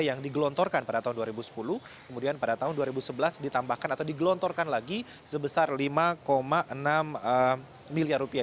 yang digelontorkan pada tahun dua ribu sepuluh kemudian pada tahun dua ribu sebelas ditambahkan atau digelontorkan lagi sebesar lima enam miliar rupiah